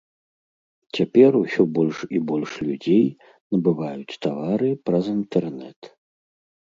Цяпер усё больш і больш людзей набываюць тавары праз інтэрнэт.